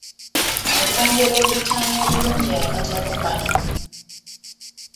Okwongera okuttaanya obulungi akatabo kano.